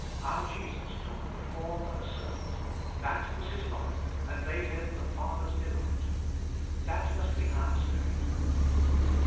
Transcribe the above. Our Jesus took the form of a servant; that was His life, and made Him the Father's delight. That must be our Spirit.